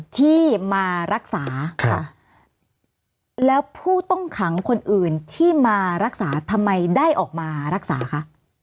ที่มารักษาค่ะแล้วผู้ต้องขังคนอื่นที่มารักษาทำไมได้ออกมารักษาคะ